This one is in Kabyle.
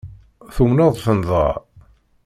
Tumneḍ-ten dɣa?